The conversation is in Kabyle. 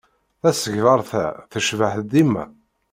Tasegbart-a tecbeḥ dima.